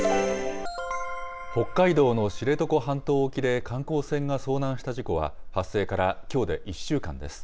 北海道の知床半島沖で観光船が遭難した事故は、発生からきょうで１週間です。